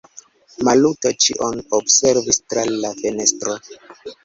Maluto ĉion observis tra la fenestro.